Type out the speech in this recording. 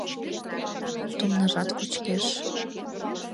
Тумнажат кочкеш.